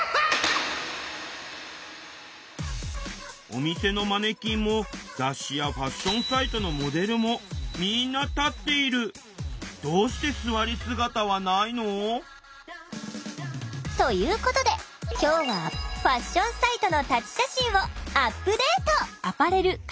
お店のマネキンも雑誌やファッションサイトのモデルもどうして「座り姿」はないの？ということで今日はファッションサイトの「立ち写真」をアップデート。